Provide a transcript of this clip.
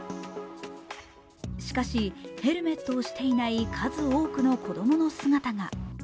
しかし、ヘルメットをしていない数多くの子供の姿が。